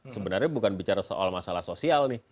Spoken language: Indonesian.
sebenarnya bukan bicara soal masalah sosial nih